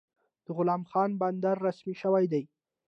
د غلام خان بندر رسمي شوی دی؟